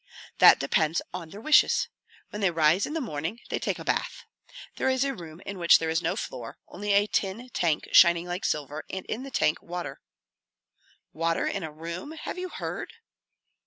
"That depends on their wishes. When they rise in the morning they take a bath. There is a room in which there is no floor, only a tin tank shining like silver, and in the tank water." "Water, in a room have you heard?"